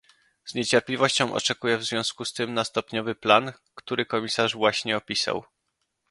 Z niecierpliwością oczekuję w związku z tym na stopniowy plan, który komisarz właśnie opisał